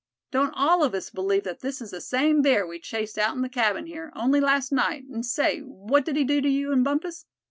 Don't all of us believe that this is the same bear we chased out'n the cabin here, only last night; and say, what did he do to you and Bumpus?